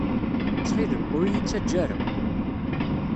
Ttxil-m, ur iyi-ttaǧǧa ara!